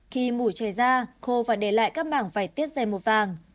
khi mũi chảy ra khô và để lại các bảng vải tiết dày màu vàng